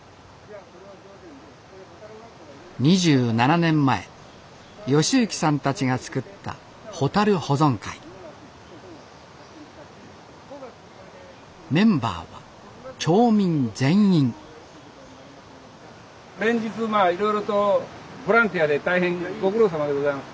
２７年前善幸さんたちが作ったホタル保存会メンバーは町民全員連日まあいろいろとボランティアで大変ご苦労さまでございます。